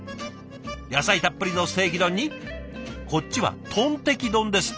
野菜たっぷりのステーキ丼にこっちはトンテキ丼ですって。